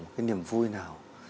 một cái niềm vui nào